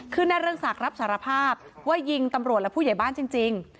คือนายเรืองศักดิ์รับสารภาพว่ายิงตำรวจและผู้ใหญ่บ้านจริง